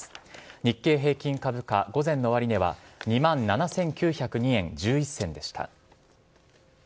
日経平均株価、午前の終値は、２万７９０２円１１銭でした。